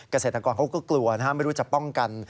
เกษตรกรเขาก็กลัวนะฮะไม่รู้จะป้องกัน